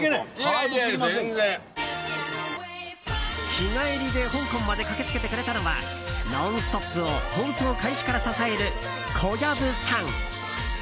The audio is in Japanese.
日帰りで香港まで駆けつけてくれたのは「ノンストップ！」を放送開始から支える小籔さん。